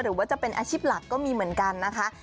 หรือว่าจะเป็นอาชีพหลักก็มีเหมือนกันนะคะ